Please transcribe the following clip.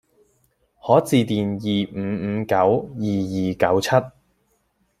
可致電二五五九二二九七